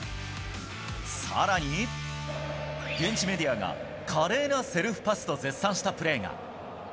さらに、現地メディアが華麗なセルフパスと絶賛したプレーが。